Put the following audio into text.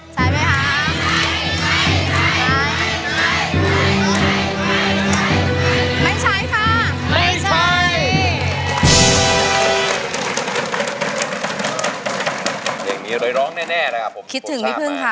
ใช้ไหมคะ